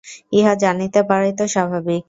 ইহা জানিতে পারাই তো স্বাভাবিক।